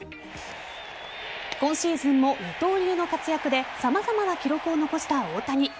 今シーズンも二刀流の活躍で様々な記録を残した大谷。